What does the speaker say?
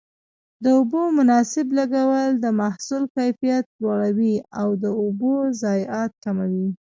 د اوبو مناسب لګول د محصول کیفیت لوړوي او د اوبو ضایعات کموي.